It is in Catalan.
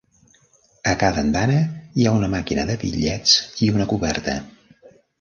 A cada andana hi ha una màquina de bitllets i una coberta.